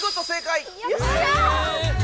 よっしゃ！